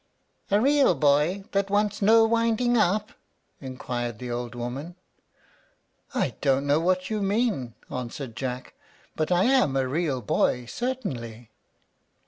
"A real boy, that wants no winding up?" inquired the old woman. "I don't know what you mean," answered Jack; "but I am a real boy, certainly."